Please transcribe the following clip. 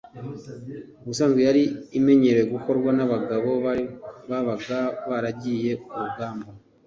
ubusanzwe yari imenyerewe gukorwa n’abagabo babaga barigiriye ku rugamba